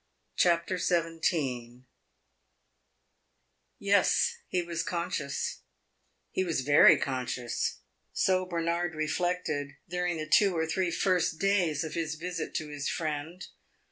CHAPTER XVII Yes, he was conscious he was very conscious; so Bernard reflected during the two or three first days of his visit to his friend.